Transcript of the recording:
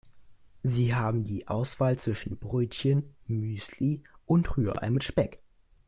Sie haben die Auswahl zwischen Brötchen, Müsli und Rührei mit Speck.